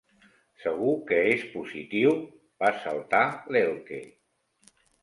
Segur que és positiu —va saltar l'Elke—.